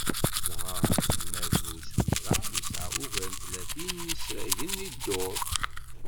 Dɣa aselmad n uswir-a, yesεa ugar n tlatin n yisragen i ddurt.